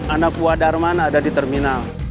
anak buah darman ada di terminal